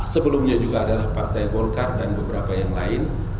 sebelumnya juga adalah partai golkar dan beberapa yang lain